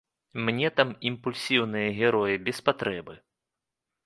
Мне там імпульсіўныя героі без патрэбы.